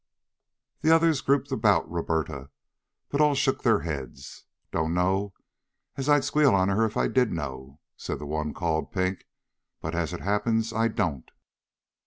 The others grouped about Roberta, but all shook their heads. "Dunno as I'd squeal on her if I did know," said the one called Pink. "But as it happens, I don't."